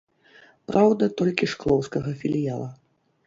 Праўда, толькі шклоўскага філіяла.